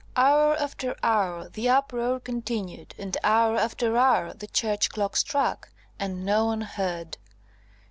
Hour after hour the uproar continued, and hour after hour the church clock struck, and no one heard.